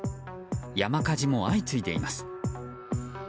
山火事も相次いでいます。